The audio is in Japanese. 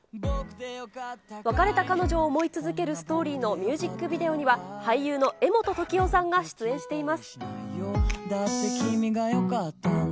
別れた彼女を思い続けるストーリーのミュージックビデオには、俳優の柄本時生さんが出演しています。